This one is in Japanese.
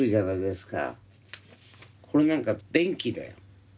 これなんか便器だよ。